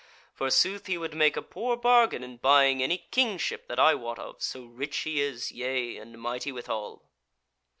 Forsooth, he would make a poor bargain in buying any kingship that I wot of, so rich he is, yea, and mighty withal."